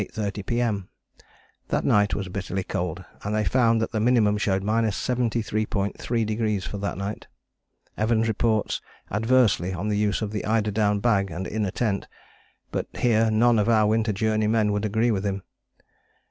30 P.M. That night was bitterly cold and they found that the minimum showed 73.3° for that night. Evans reports adversely on the use of the eider down bag and inner tent, but here none of our Winter Journey men would agree with him.